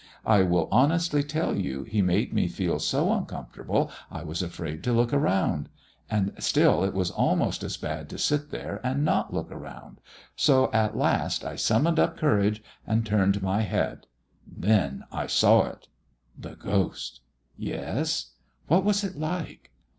I will honestly tell you he made me feel so uncomfortable I was afraid to look round; and still it was almost as bad to sit there and not look round, so at last I summoned up courage and turned my head. Then I saw it." "The ghost?" "Yes." "What was it like?"